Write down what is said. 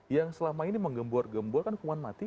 yang selama ini menggembur gembur kan hukuman mati